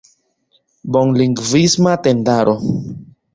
bonlingvisma tendaro.